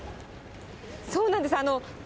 そうなんです。